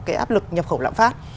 cái áp lực nhập khẩu lạm phát